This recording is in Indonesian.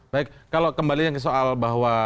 baik kalau kembali yang ke soal bahwa